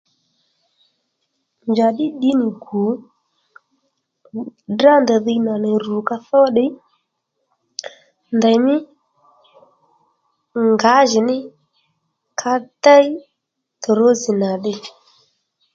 Njàddí dǐnì gù drá ndèy dhiy nà nì rù ka thó ddiy ndèymí ngǎjìní ka déy torózi nà ddiy